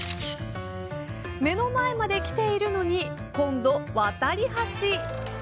目の前まで来ているのに今度渡橋。